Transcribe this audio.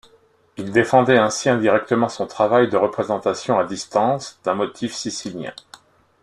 Il défendait ainsi indirectement son travail de représentation à distance d'un motif sicilien.